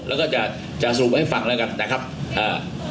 แล้วก็จะจะสรุปให้ฟังแล้วกันนะครับอ่า